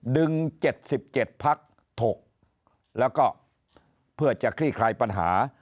๗๗พักถกแล้วก็เพื่อจะคลี่คลายปัญหา